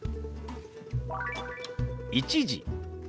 「１時」。